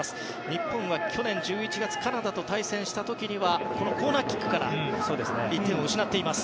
日本は去年１１月カナダと対戦した時にはこのコーナーキックから１点を失っています。